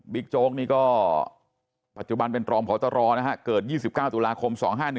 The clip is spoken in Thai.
บิ๊กโจ๊กนี่ก็ปัจจุบันเป็นตรองพวัตรอนะฮะเกิด๒๙ตุลาคม